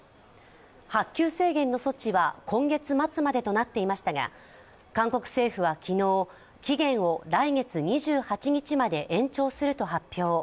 発給制限の措置は今月末までとなっていましたが韓国政府は昨日、期限を来月２８日まで延長すると発表。